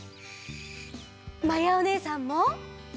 まやおねえさんも！